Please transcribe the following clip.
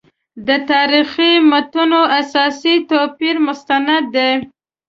د تاریخي متونو اساسي توپیر مستند دی.